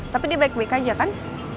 tapi dia baik baik aja kan